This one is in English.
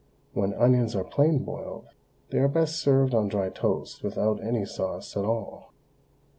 When onions are plain boiled, they are best served on dry toast without any sauce at all.